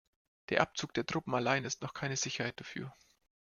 Der Abzug der Truppen allein ist noch keine Sicherheit dafür.